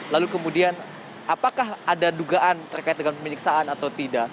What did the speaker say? lalu kemudian apakah ada dugaan terkait dengan penyiksaan atau tidak